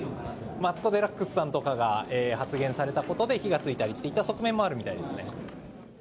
マツコ・デラックスさんとかが発言されたことで、火がついたといった側面もあるみたいですね。